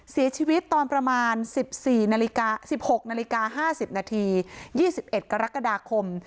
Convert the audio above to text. เสียชีวิตตอนประมาณ๑๔นาฬิกา๑๖นาฬิกา๕๐นาที๒๑กรกฎาคม